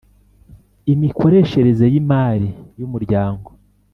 imikoreshereze y imari y umuryango